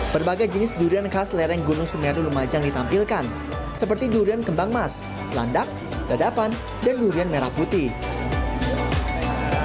berbagai jenis durian khas lereng gunung semeru lumajang ditampilkan seperti durian kembang mas landak dadapan dan durian merah putih